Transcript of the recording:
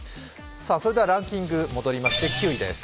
それではランキングに戻りまして９位です。